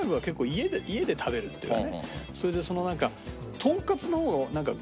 それでそのなんか。